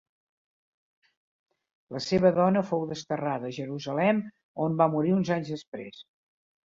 La seva dona fou desterrada a Jerusalem on va morir uns anys després.